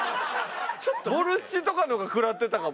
ボルシチとかの方が食らってたかも。